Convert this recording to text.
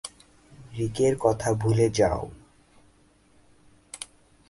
রিকের কথা ভুলে যাও!